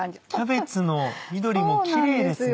キャベツの緑もキレイですね。